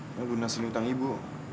untuk melunaskan hutang ibu